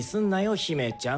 姫ちゃん。